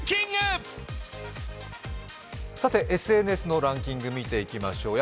ＳＮＳのランキング見ていきましょう。